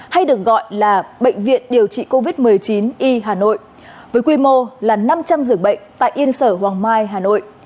hay được gọi là bệnh viện điều trị covid một mươi chín y hà nội với quy mô là năm trăm linh giường bệnh tại yên sở hoàng mai hà nội